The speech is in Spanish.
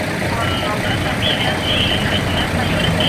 El turismo es otra de las actividades que están realzando.